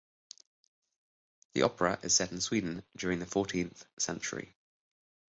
The opera is set in Sweden during the fourteenth century.